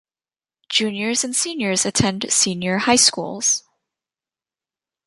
Juniors and seniors attend senior high schools.